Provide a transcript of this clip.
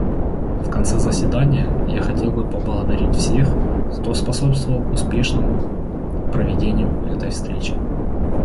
В конце заседания я хотел бы поблагодарить всех, кто способствовал успешному проведению этой встречи.